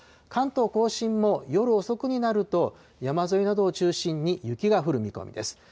関東甲信も夜遅くになると山沿いなどを中心に、雪が降る見込みです。